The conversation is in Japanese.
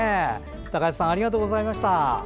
高橋さんありがとうございました。